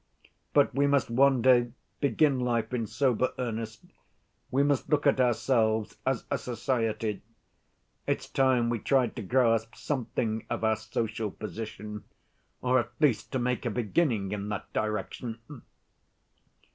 But we must one day begin life in sober earnest, we must look at ourselves as a society; it's time we tried to grasp something of our social position, or at least to make a beginning in that direction.